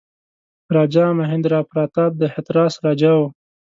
راجا مهیندراپراتاپ د هتراس راجا وو.